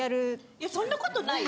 いやそんなことない。